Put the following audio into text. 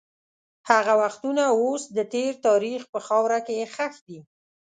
هغه وختونه اوس د تېر تاریخ په خاوره کې ښخ دي.